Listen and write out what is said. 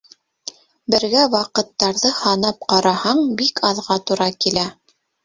Бергә ваҡыттарҙы һанап ҡараһаң, бик аҙға тура килә.